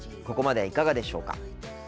ここまでいかがでしょうか？